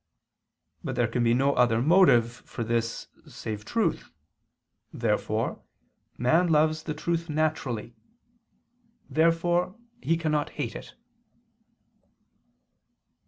But there can be no other motive for this save truth. Therefore man loves the truth naturally. Therefore he cannot hate it.